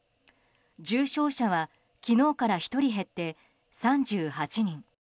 重症者は昨日から１人減って３８人。